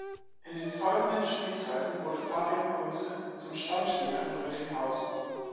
In den folgenden Spielzeiten wurde Fabian Kunze zum Stammspieler in Rödinghausen.